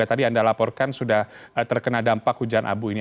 tadi anda laporkan sudah terkena dampak hujan abu ini